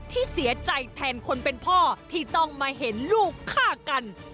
ที่เสียใจแทนคนเป็นพ่อที่ต้องมาเห็นลูกฆ่ากัน